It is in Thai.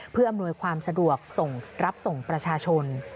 เพื่ออำนวยความสะดวกส่งรับส่งประชาชน